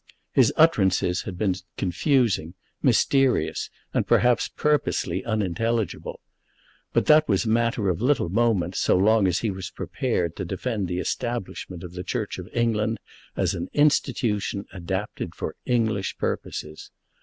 His utterances had been confusing, mysterious, and perhaps purposely unintelligible; but that was matter of little moment so long as he was prepared to defend the establishment of the Church of England as an institution adapted for English purposes.